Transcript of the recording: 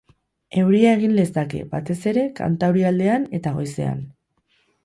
Euria egin lezake, batez ere kantaurialdean eta goizean.